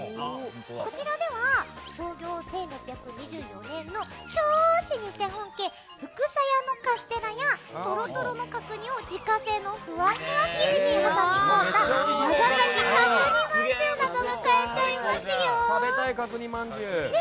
こちらでは創業１６２４年の超老舗本家福砂屋のカステラやトロトロの角煮を自家製のふわふわ生地に挟み込んだ長崎角煮まんじゅうなどが買えちゃいますよ。